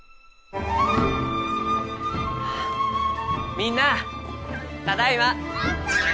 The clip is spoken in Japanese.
みんなあただいま！